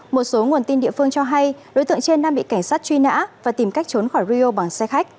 một số nguồn tin địa phương cho hay đối tượng trên đang bị cảnh sát truy nã và tìm cách trốn khỏi rio bằng xe khách